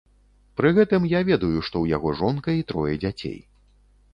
Пры гэтым я ведаю, што ў яго жонка і трое дзяцей.